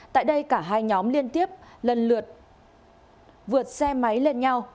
tại đây cả hai nhóm liên tiếp lần lượt vượt xe máy lên nhau